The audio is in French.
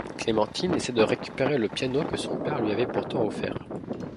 Clémentine essaie de récupérer le piano que son père lui avait pourtant offert.